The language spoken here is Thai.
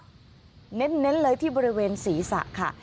ครับเน้นเลยที่บริเวณศรีษะค่ะ